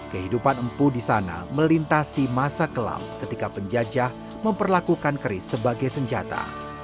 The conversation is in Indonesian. kehidupan empu di sana melintasi masa kelam ketika penjajah memperlakukan keris sebagai senjata